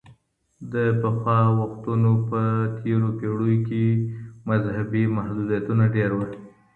د پخوا وختونو په تورو پېړيو کي مذهبي محدوديتونه ډېر وو.